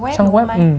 trang web đúng không anh